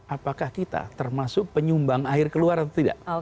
apakah kita termasuk penyumbang air keluar atau tidak